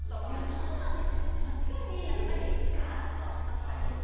何なんですかね、夏にやっぱりがーって汗かきたいんですよ。